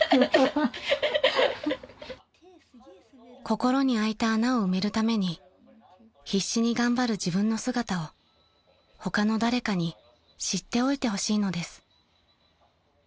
［心にあいた穴を埋めるために必死に頑張る自分の姿を他の誰かに知っておいてほしいのです］